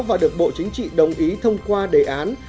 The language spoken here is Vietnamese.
và được bộ chính trị đồng ý thông qua đề án